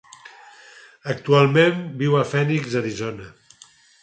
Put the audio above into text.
Actualment viu a Phoenix, Arizona.